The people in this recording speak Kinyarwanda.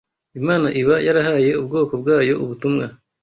Imana iba yarahaye ubwoko bwayo ubutumwa